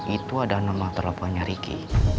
itu adalah nomor teleponnya riki